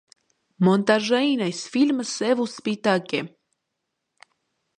Մոնտաժային այս ֆիլմը սև ու սպիտակ է։